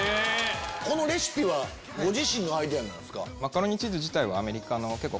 このレシピはご自身のアイデアなんですか？